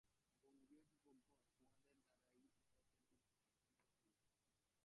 বঙ্গীয় যুবকগণ, তোমাদের দ্বারাই ভারতের উদ্ধার সাধিত হইবে।